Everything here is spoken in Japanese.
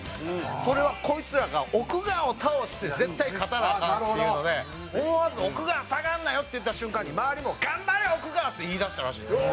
それはこいつらが奥川を倒して絶対勝たなアカンっていうので思わず「奥川下がんなよ！」って言った瞬間に周りも「頑張れ奥川！」って言い出したらしいんですよ